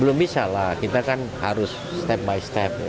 belum bisa lah kita kan harus step by step ya